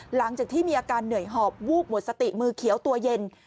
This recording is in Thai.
หลังจากที่มีอาการเหนื่อยหอบวูบหมดสติมือเขียวตัวเย็น